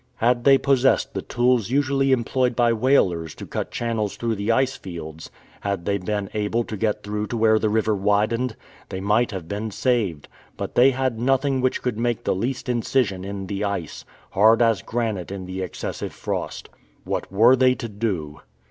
Had they possessed the tools usually employed by whalers to cut channels through the ice fields had they been able to get through to where the river widened they might have been saved. But they had nothing which could make the least incision in the ice, hard as granite in the excessive frost. What were they to do?